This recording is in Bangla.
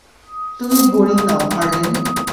তুমি বোরিং নও, হারলিন!